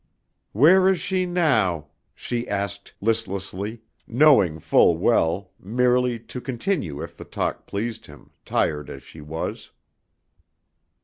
"Where is she now?" she asked listlessly, knowing full well, merely to continue if the talk pleased him, tired as she was.